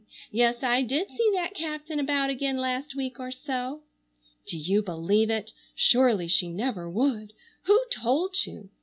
Yes, I did see that captain about again last week or so. Do you believe it? Surely she never would. Who told you?